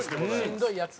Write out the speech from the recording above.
しんどいやつ。